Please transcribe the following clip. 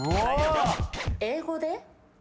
英語で？